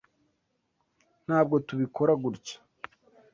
Ntabwo tubikora gutya.